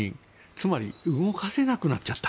つまり動かせなくなっちゃった。